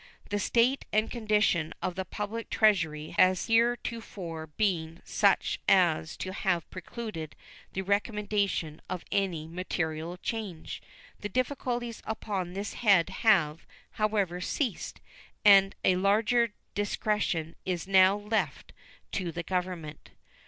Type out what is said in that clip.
The state and condition of the public Treasury has heretofore been such as to have precluded the recommendation of any material change. The difficulties upon this head have, however, ceased, and a larger discretion is now left to the Government.